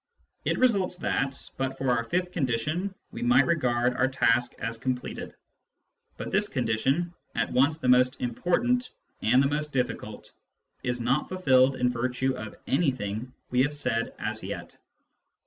It results that, but for our fifth condition, we might regard our task as completed. But this condition — at once the most important and the most difficult — is not fulfilled in virtue of anything we have said as yet.